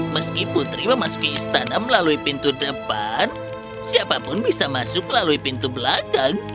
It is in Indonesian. meski putri memasuki istana melalui pintu depan siapapun bisa masuk melalui pintu belakang